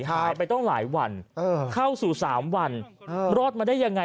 หายไปต้องหลายวันเข้าสู่๓วันรอดมาได้ยังไง